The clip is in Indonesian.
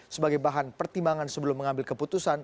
sebagai bahan pertimbangan sebelum mengambil keputusan